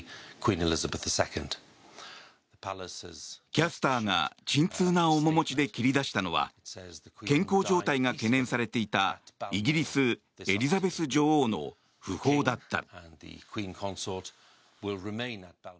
キャスターが沈痛な面持ちで切り出したのは健康状態が懸念されていたイギリスエリザベス女王の訃報だった。